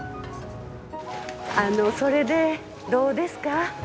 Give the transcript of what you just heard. あのそれでどうですか？